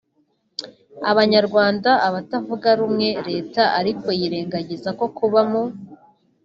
abarwarwanya(abatavugarumwe) leta ariko yirengagiza ko kuba mu